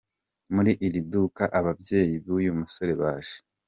Muri iri duka ababyeyi b’uyu musore baje.